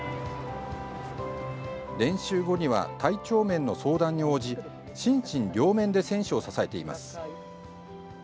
練習後には体調面の相談に応じ心身両面で選手を支えています。